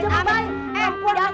eh udah asal lu bini apa lagi